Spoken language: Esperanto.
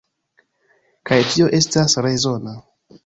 Kaj tio estas rezona.